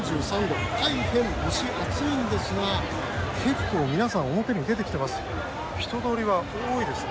大変、蒸し暑いんですが結構皆さん表に出てきています。